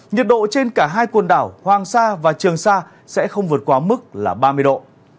nhiệt độ trên cả hai quần đảo hoàng sa và trường sa sẽ không vượt quá mức là ba mươi độ